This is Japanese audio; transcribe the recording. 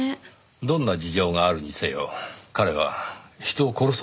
どんな事情があるにせよ彼は人を殺そうとしています。